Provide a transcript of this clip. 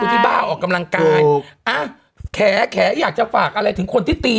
ที่บ้าออกกำลังกายอ่ะแขอยากจะฝากอะไรถึงคนที่ตี